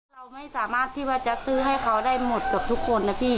เราไม่สามารถที่ว่าจะซื้อให้เขาได้หมดกับทุกคนนะพี่